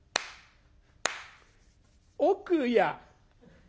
「奥や」。